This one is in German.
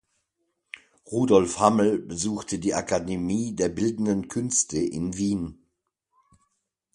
Rudolf Hammel besuchte die Akademie der Bildenden Künste in Wien.